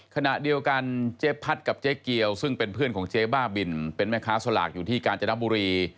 ขณะเดียวกันเจ๊พัดกับเจ๊เกียวซึ่งเป็นเพื่อนของเจ๊บ้าบินเป็นแม่ค้าสลากอยู่ที่กาญจนบุรี